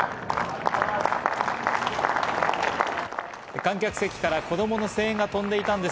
観客席から子供の声援が飛んでいたんです。